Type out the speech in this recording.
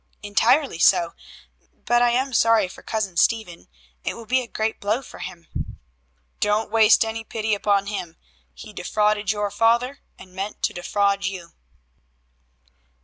"Entirely so. But I am sorry for Cousin Stephen. It will be a great blow for him." "Don't waste any pity upon him. He defrauded your father, and meant to defraud you."